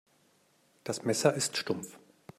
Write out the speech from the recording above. Das Messer ist stumpf.